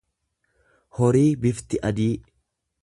horii bifti adii.